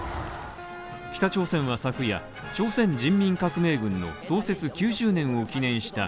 北朝鮮は昨夜、朝鮮人民革命軍の創設９０年を記念した